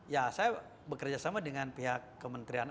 ya saya bekerja sama dengan pihak kementerian